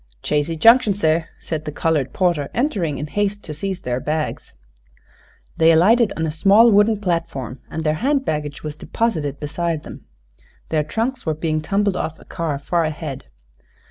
"Chazy Junction, seh," said the colored porter, entering in haste to seize their bags. They alighted on a small wooden platform and their hand baggage was deposited beside them. Their trunks were being tumbled off a car far ahead.